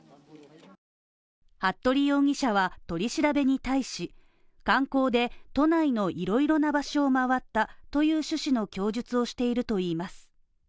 服部容疑者は取り調べに対し、観光で都内のいろいろな場所を回ったという趣旨の供述をしているといいます。